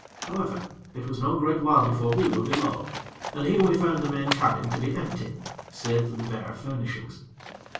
However, it was no great while before we were below, and here we found the main cabin to be empty, save for the bare furnishings.